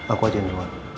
aku aja yang duluan